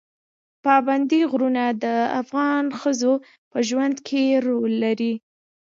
پابندی غرونه د افغان ښځو په ژوند کې رول لري.